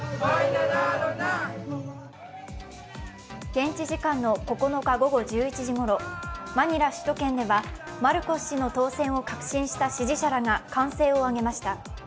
現地時間の９日午後１１時ごろ、マニラ首都圏ではマルコス氏の当選を確信した支持者らが歓声を上げました。